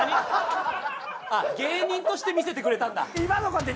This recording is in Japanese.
あっ芸人として見せてくれたんだ？